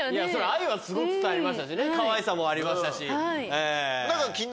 愛はすごく伝わりましたしねかわいさもありましたしええ。